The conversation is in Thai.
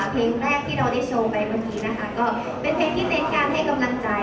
เพลงแรกที่เราได้โชว์ไปเมื่อกี้นะคะก็เป็นเพลงที่เน้นการให้กำลังใจ